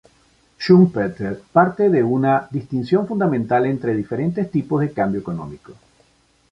Schumpeter parte de una distinción fundamental entre diferentes tipos de cambio económico.